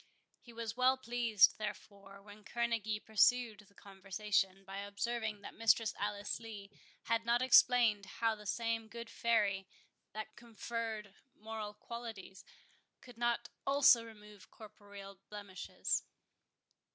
He was well pleased, therefore, when Kerneguy pursued the conversation, by observing that Mistress Alice Lee had not explained how the same good fairy that conferred moral qualities, could not also remove corporeal blemishes.